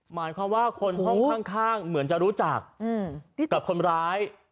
หมายความว่าคนห้องข้างเหมือนจะรู้จักกับคนร้าย